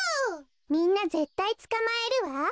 みんなぜったいつかまえるわ。